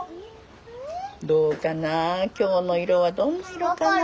どうかな今日の色はどんな色かな？